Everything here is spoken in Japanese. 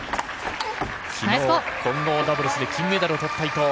昨日、混合ダブルスで金メダルを取った伊藤。